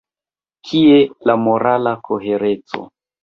Kie la morala kohereco?